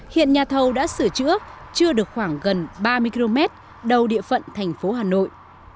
hiện nhà thầu đã sửa chữa chưa được khoảng gần ba mươi km đầu địa phận thành phố hà nội